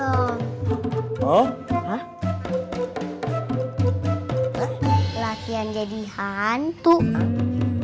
hmm kapal udah apa kali ya